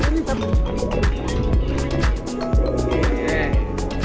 nah ini tempatnya